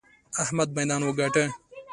احمد ميدان وګاټه!